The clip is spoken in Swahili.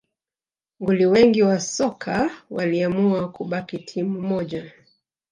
Nguli wengi wa soka waliamua kubaki timu moja